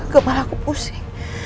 kepala aku pusing